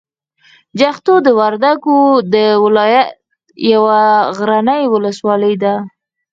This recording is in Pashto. جغتو د وردګو د ولایت یوه غرنۍ ولسوالي ده.